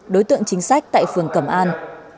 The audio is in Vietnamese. đối tượng chính sách tại phường cẩm an